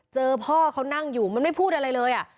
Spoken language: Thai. เจอพ่อเขานั่งอยู่มันไม่พูดอะไรเลย